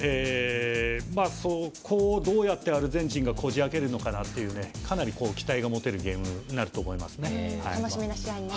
そこをどうやってアルゼンチンがこじ開けるのかかなり期待が持てるゲームになると思いますね。